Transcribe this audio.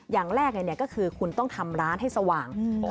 อย่างแรกก็คือคุณต้องทำร้านให้สว่าง